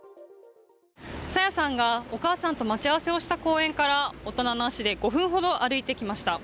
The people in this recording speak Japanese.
朝芽さんがお母さんと待ち合わせをした公園から大人の足で５分ほど歩いてきました。